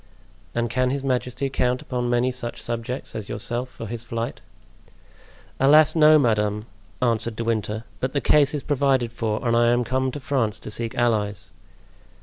"And can his majesty count upon many such subjects as yourself for his flight?" "Alas! no, madame," answered De Winter; "but the case is provided for and I am come to France to seek allies."